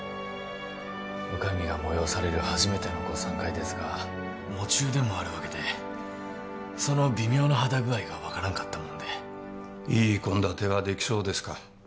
お上が催される初めての午餐会ですが喪中でもあるわけでその微妙な肌具合が分からんかったもんでいい献立はできそうですか？